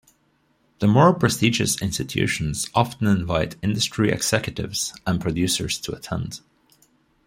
The more prestigious institutions often invite industry executives and producers to attend.